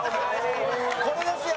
「これですよ。